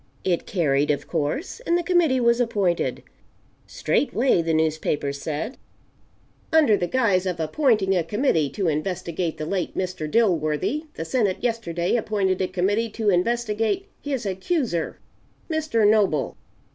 It carried, of course, and the committee was appointed. Straightway the newspapers said: "Under the guise of appointing a committee to investigate the late Mr. Dilworthy, the Senate yesterday appointed a committee to investigate his accuser, Mr. Noble.